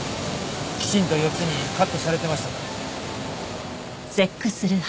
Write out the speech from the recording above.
きちんと４つにカットされてましたから。